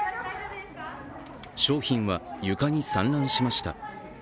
商品は床に散乱しました。